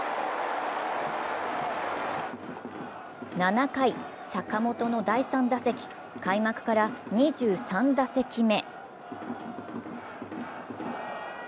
７回、坂本の第３打席、開幕から２３打席目。